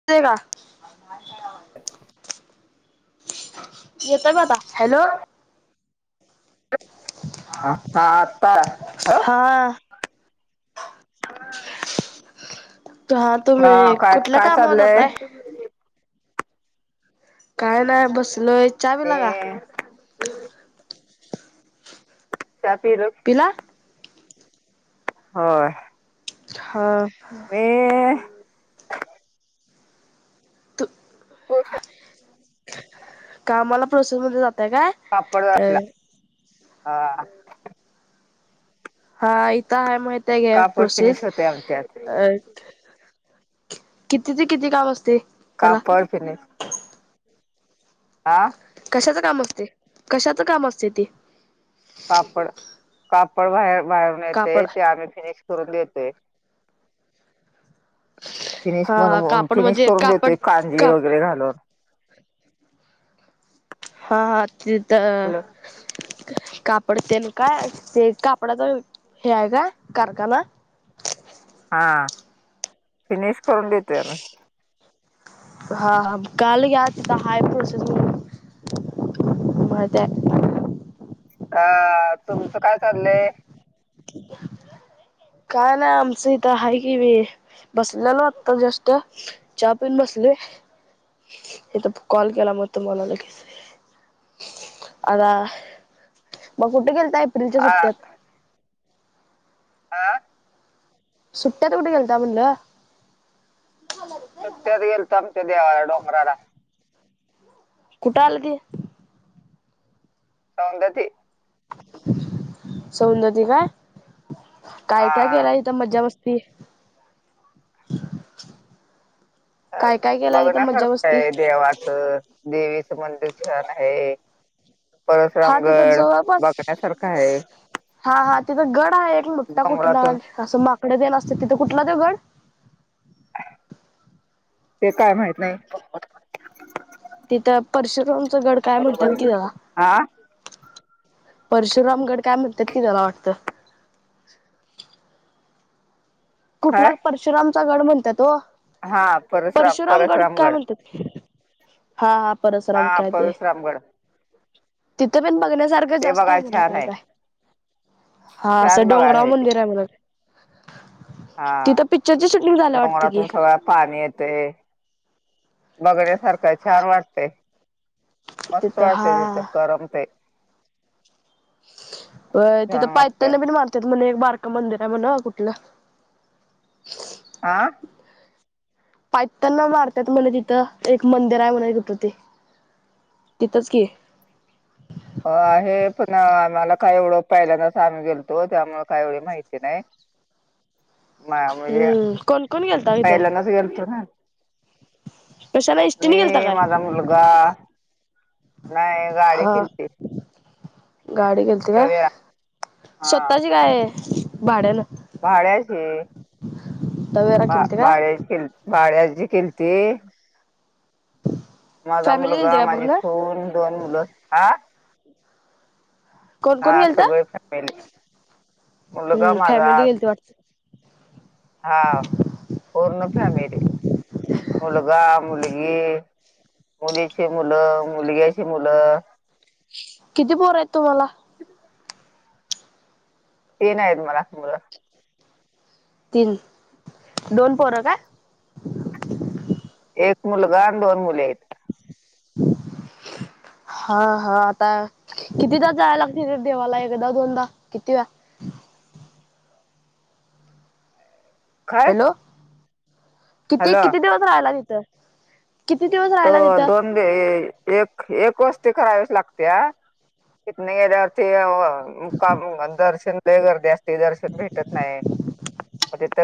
[inaudible] [inaudible] येतोय का आता हॅलो? आ -आ आता. ह हा. तेव्हा हा तुम्ही काय कुठल्या काय कामावर चाललंय जाताय? काय नाही बसलोय. चहा पिला का? हम्म. चहा पिलस. पिला? हो. हा. ये. तू कामला प्रोसेसमध्ये जातय काय? अ [unintelligible] आपला हा. हा इथ हाय माहितेय घ्या कापड प्रोसेस फिनिश होते आमच्यात अ किती ते किती काम असतेय? कापड [unintelligible] आ. कशाच काम असतय. कशाचं काम असते ते? कापड, कापड बाहेर बाहेरून येते कापड ते आम्ही फिनिश करून देतोय. फिनिश हा बनवून कापड फिनिश म्हणजे करून कापड देतोय कांजी काप वगैरे घालून. हां हां हॅलो तिथं कापड तेन काय? ते कापडाचा हे आहे काय कारखाना? हां फिनिश करून देतोय आम्ही. हां हां कळालं घ्या तिथं हाय प्रोसस म्हणून. माहित आहे. अ तुमचं काय चाललंय? काय नाही आमचं इथ हाय की बी बसल्यालो आता जस्ट. चहा पिऊन बसलोय, इथ कॉल केला मग तुम्हाला लगेच. आता मग कुठे गेलता एप्रिलच्या आ सुट्ट्यात? आं. सुट्ट्यात कुठे गेलता म्हटलं? सुट्यात गेलतो आमच्या देवाला डोंगराला. कुठं आलं ते? सौंदती. सौंदती काय? काय-काय हा केला तिथं मज्जा मस्ती? अ काय काय केला तिथं मज्जा बघण्यासारखं मस्ती आहे देवाचं, देवीचं मंदिर छान आहे. हा तिथं परशरामगड बघण्यासारखा आहे. हां हां तिथं गड आहे एक मोठा कुठला डोंगरातून असं माकड तेन असत्यात तिथं कुठला त्यो गड? ते काय माहित नाही. तिथं परशुरामचा गड काय म्हणतात कि त्याला हा परशुरामगड काय म्हणतात कि त्याला वाटतं. काय कुठला परशुरामचा गड म्हणतात ओ. हा परशुराम गड काय परशुरामगड म्हणतात की हां हां हा परशराम काय ते, परशुरामगड तिथे पण बघण्यासारखं ते जास्त आहे बघाय म्हण छान काय काय, हां असं छान बघायला डोंगराव मंदिर आहे म्हण. हां पिक्चरची शूटिंग झाल्या वाटतं की डोंगरातून सरळ आत पाणी येतेय बघण्यासारख आहे, छान वाटतंय. मस्त तिथं वाटतंय हा तिथं करमतय. होय तिथं पायतान वाटते न पण मार त्यात म्हण एक बारक मंदिर आहे म्हण कुठलं आं पायतान न मारत्यात म्हण तिथं, एक मंदिर आहे म्हण तिथं ते. तिथंच की. आहे पण आम्हाला काही एवढं पहिल्यांदाच आम्ही गेलतो, त्यामुळे काही एवढी माहिती नाही. नाही म्हणजे हम्म कोण कोण गेलता तिथं पहील्यांदाच गेलतो ना. कशाला एसटीने गेलता मी, काय माझा मुलगा, नाही गाडी हा केलती. गाडी गेलती काय? तवेरा हा स्वतःची काय भाड्यानं? भाड्याची, तवेरा केलती काय? भाड्याची केलती. भाड्याची केलती. माझा फॅमिली गेलती मुलगा, काय माझी पूर्ण? सून, दोन मुलं आं? कोण कोण हां गेलत? सगळी फॅमिली, मुलगा हम्म माझा फॅमिली गेलती वाटत. हां पूर्ण फॅमिली. [inaudible] मुलगा, मुलगी मुलीची मुलं, मुलग्याची मुलं किती पोर आयत तुम्हाला? तीन आयत मला मुल. तीन, दोन पोरं काय? एक मुलगा अन् दोन मुली आयत. [inaudible] हा हा आता कितीदा जायला लागत हिकडं देवाला एकदा दोनदा किती वेळा? काय हॅलो. किती हॅलो किती दिवस राहिला तिथं? किती दिवस राहायला तो तिथं? दोन एक एक वस्ती करावीच लागतिया हितंन गेल्यावर ते मुक्काम दर्शन ते गर्दी असते दर्शन भेटत नाय म तिथ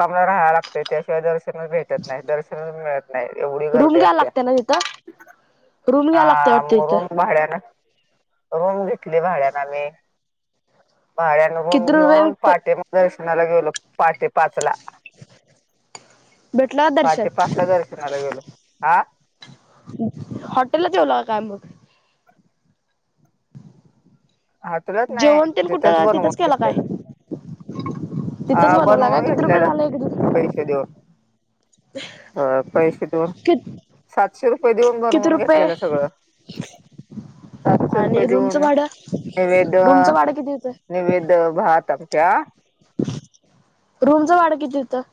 कामाला राह्या लागतय त्याशिवाय दर्शनच भेटत नाय दर्शनच मिळत नाय एवढी गर्दी अस. त्यांना तिथ हा म रूम भाड्यान रूम घेतली भाड्यान आम्ही भाड्यान रूम किती रुपये घेऊन पहाटे दर्शनाला गेलो पाटे पाचला भेटला दर्शन? पाटे पाच ला दर्शनाला गेलो. हा हॉटेलला जेवला का काय मग? हॉटेलात नाय जेवण तेन तिथंच कुठं बनवून केला काय? घेतल्यालं. तिथंच आ बनवला का बनवून किती रुपये घेतल्याल. झाले पैसे देऊन हा पैसे देऊन कि सातशे रुपये देऊन किती बनवून रुपये घेतलेलं सगळं. सातशे रुपये आणि देऊन रूमचं भाडं नैव्यद्य रूमचं भात भाडं किती होतं नैव्यद्य, भात, आमट्या. रूमच भाड किती हुत?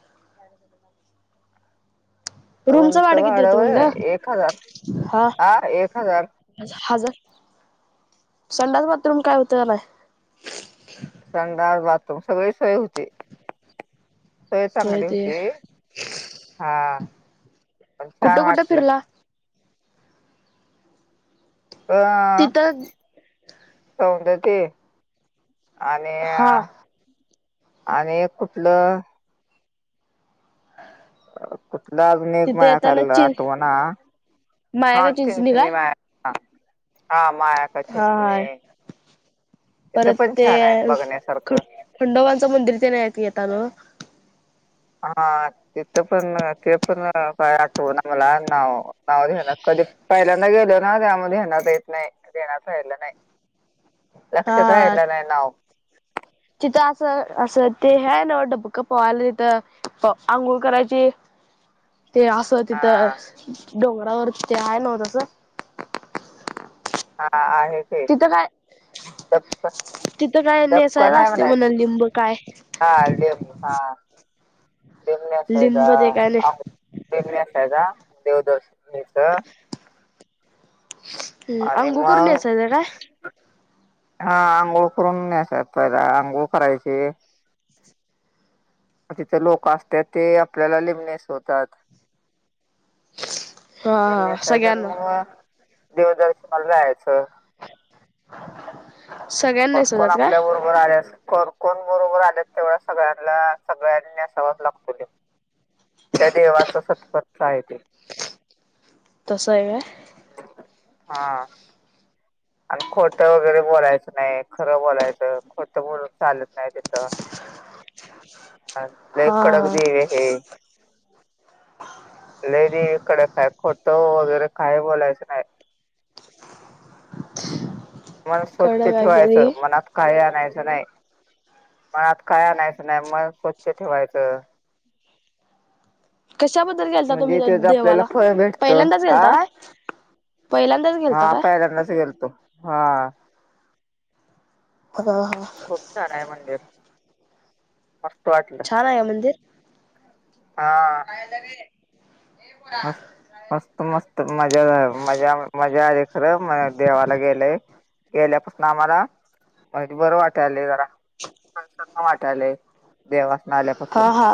रूमच भाड रूमचं किती भाडं हुतं म्हणलं व्हय एक हजार हा? एक हजार हजार, संडास बाथरूम काय हुतं का नाय? संडास बाथरूम सगळी सोय हुती. सोय होय चांगली ते हुती हा पण छान कुठं कुठं वाटलं. फिरला आ तिथं सौंदती आणि हा आणि एक कुठलं कुठला अजून एक तिथे माया येताना खालन चिं आठवणा माया का हा चिंचणी काय माया हा हा माया का हा चिंचने हाय तिथं परत पण ते छान आय ख बघण्यासारखं. खंडोबांचं मंदिर ते नायत येेता ना? हा तिथ पण ते पण काय आठवना मला नाव. नाव घेणार कधी पहिल्यांद गेल्या जाऊद्या आम्हा ध्येनात येत नाय ध्येनात राहिलं नाय लक्षात हा राहिलं नाय नाव. तिथं असं असं ते हे हाय न्हव डबकं पवायला तिथं आंघोळ करायची. ते असं हा तिथं डोंगरावर ते आय नव्ह तस? हा आहे. ते तिथं काय डपक तिथं काय डपक नेसायच नाही असतय म्हण म्हणायचं लिंब काय? हा लिंब हा लिंब नेसायचा. लिंब ते काय नाही लिंब नेसायचा देवदर्शन निच ह आणि अंंगूळ करून मग याचायचं जरा. हा आंघोळ करून न्यासात पहिला. आंघोळ करायची तिथे लोक असतात ते, आपल्याला लिब नेसवतात. हा लीब हा नेसायचान सगळ्यांना मग देवदर्शनाला जायाचं. सगळ्यांना प कोण नेसवतात काय आपल्या बरोबर आल्या असन कोण कोण बरोबर आलेत. तेवढ्या सगळ्यांना सगळ्यां नेसावाच लागतो. त्या देवाच सतपथतच आहे ते. तसय व्हय? हा. आणि खोटं वगैरे बोलायचं नाही. खरं बोलायचं. खोटं बोलून चालत नाही तिथं [inaudible] ह लई हा कडग हा देवे हे. लई देवी कडक हाय. खोटतं वगैरे काय बोलायचं नाय. मन स्वच्छ कळलं काय ठेवायचं. कधी मनात काय आणायचं नाय. मनात काय आणायचं नाय. मन स्वच्छ ठेवायचं. कशाबद्दल गेलता म्हणजे तुम्ही त्या तेच आपल्याला देवाला फळ भेटत. पहिल्यांदाच हा. गेलता काय पहिल्यांदाच गेलता हा काय पहिल्यांदाच गेलतो. हा. [unintelligible] खूप छान आहे मंदिर. मस्त वाटलं. छान आहे मंदिर? हा. खायला दे. मस्त [unintelligible] मस्त मस्त. मजा मजा मजा आली खरं. म देवाला गेलंय. गेल्यापसन आम्हाला, वईच बरं वाटयले जरा. प्रसन्न वाटालय. देवासन आल्यापासू अ हा.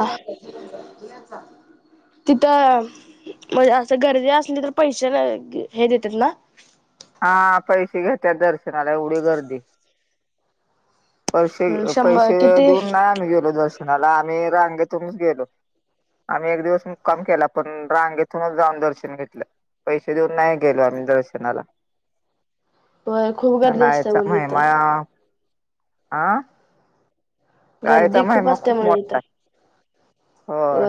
तिथं म्हणजे असं गर्दी असली तर, पैसे नय हे देतात ना. हा पैसे घेत्यात दर्शनाला. एवढी गर्दी. पैसे हम्म शंभर पैसे किती देऊन ना, आम्ही गेलो दर्श नाला. आम्ही रांगेतूनच गेलो. आम्ही एक दिवस मुकाम केला. पण रांगेतूनच जाऊन दर्शन घेतलं. पैसे देऊन नाही गेलो आम्ही दर्शनाला. होय खूप गर्दी असते नाहीचा म्हणे तीथं. आ. कायेचा गर्दी महिमा असते खूप म्हणे इथं मोठाय. होय.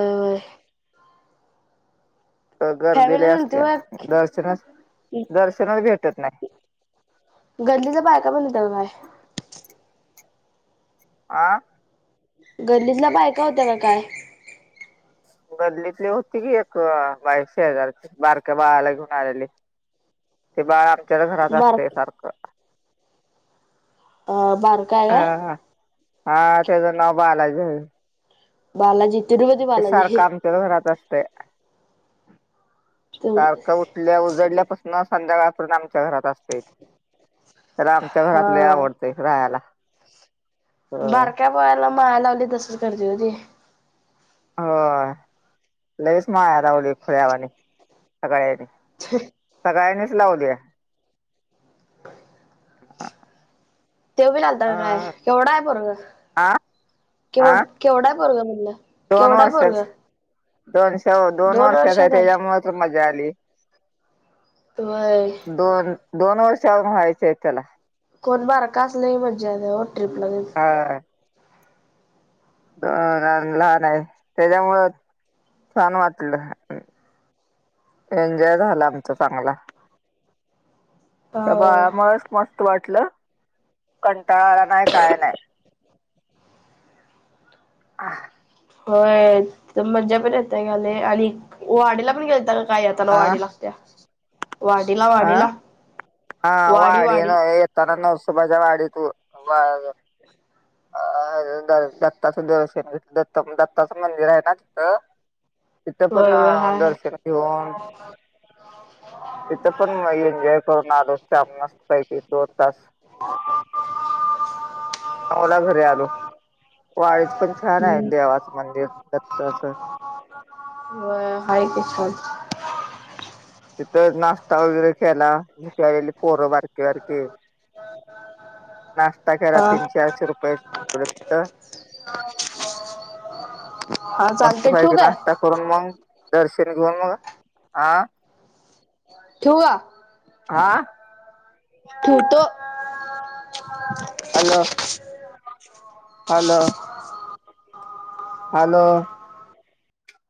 गर्दी फॅमिली ल्ई नव्हती होय असत्याया. दर्शनच दर्शनच भेटत नाय. गल्लीतल्या बायका पण होत्या का काय? आ. गल्लीतल्या बायका होत्या का काय? गल्लीतली होती की एक बाय शेजारची. बारक्या बाळाला घेऊन आलेली. ते बाळ आमच्याच घरात बार असतय सारखं. अ बार हा हा. हा त्याच नाव बालाजी हाये. बालााजी? ते सारखं आमच्या घरात असतय. सारखं उठ ल्या उजडल्यापासून संध्याकाळपर्यंत आमच्या घरात असतय. आम च्या घरात लय हा आवडतय राहायला. होय बारक्या [unintelligible] माया लावली तसच करते हो ती. हो लईच माया लावली खुळ्यावाणी सगळ्यांनी. [inaudible] सगळ्यांनीच लावलीया. तेव बी लालता का काय? आ केवढा आहे पोरग? आ केव आ केवढा आहे पोरग म्हटलं? दोन वर्षाचं, दोन शव दोन वर्षाच आहे त्याच्यामुळे त मजा आली. व्हय. दोन, दोन वर्ष अजून व्हायचे आहे त्याला. कोण बारा कास लई मजा येते हो ट्रिपला गेल [unintelligible] अ अन लहान आहे. त्याच्यामुळं छान वाटलं. एन्जॉय झाला आमचा चांगला. त्या होय बाळा मुळच मस्त वाटलं. कंटाळा आला नाही, काय नाय. [inaudible] होय त मज्जा पण [unintelligible] आली आणि वाडीला पण गेलता का काय, येताना वाडीला? [inaudible] वाडीला अं हा वाडी वाडीन वाडी येताना नरसोबाच्या वाडीत [unintelligible] अ द दत्ताचं दर्शन घेतल. त म दत्ताचं मंदिर आहे ना तिथं तिथं पण होय अ होय हाय हाय दर्शन घेऊन तिथं पण मग एन्जॉय करून आलो [unintelligible] दोन तास. नऊला घरी आलो, वाडीत पण छान आहे हम्म देवाचं मंदिर दत्ताचं. होय आहे की छान. तिथं नाश्ता वगैरे केला भूकवलेली पोरं बारकीे बारके. नाश्ता केला हा तीन चारशे रुपये [unintelligible] [inaudible] चालतंय ठेवू मस्तपैकी काय नाश्ता करून मग, दर्शन घेऊन मग हा ठेवू का? आं? ठेऊतो. Hello hello. हॅलो